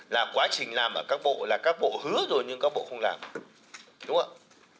là quá trình làm ở các bộ là các bộ hứa rồi nhưng các bộ không làm